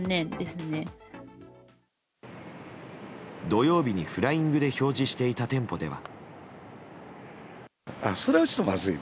土曜日に、フライングで表示していた店舗では。